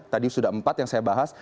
tadi sudah empat yang saya bahas